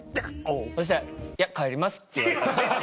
そしたら「いや帰ります」って言われたんで。